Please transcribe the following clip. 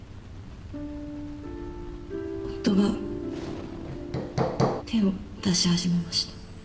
夫が手を出し始めました。